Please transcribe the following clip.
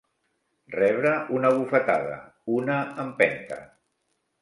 Rebre una bufetada, una empenta.